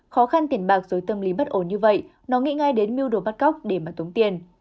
khó khăn tiền bạc rồi tâm lý bất ổn như vậy nó nghĩ ngay đến mưu đồ bắt cóc để mà tống tiền